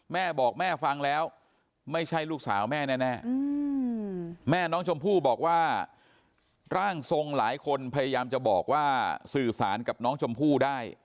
แม่บอกแม่ฟังแล้วไม่ใช่ลูกสาวแม่แน่แม่น้องชมพู่บอกว่าร่างทรงหลายคนพยายามจะบอกว่าสื่อสารกับน้องชมพู่ได้